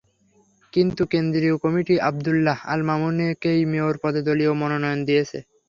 কিন্তু কেন্দ্রীয় committee Abdullah Al মামুনকেই mayor পদে দলীয় মনোনয়ন দিয়েছে।